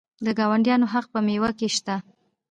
د ګاونډیانو حق په میوو کې شته.